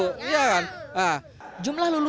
jumlah lulusan sd di surabaya